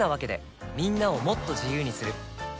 みんなをもっと自由にする「三菱冷蔵庫」